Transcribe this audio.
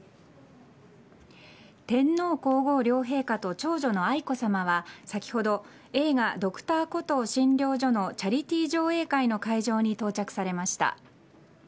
天皇皇后両陛下と長女の愛子さまは先ほど、映画「Ｄｒ．コトー診療所」のチャリティー上映会の会場に到着されました。